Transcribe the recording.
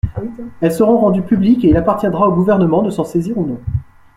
Elles seront rendues publiques et il appartiendra au Gouvernement de s’en saisir ou non.